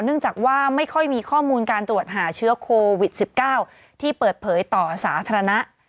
เนื่องจากว่าไม่ค่อยมีข้อมูลการตรวจหาเชื้อโควิด๑๙ที่เปิดเผยต่อสาธารณะ